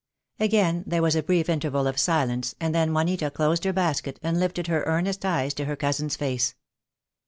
Again there was a brief interval of silence, and then Juanita closed her basket, and lifted her earnest eyes to her cousin's face.